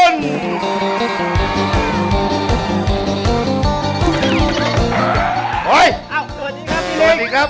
สวัสดีครับพี่ลิงค์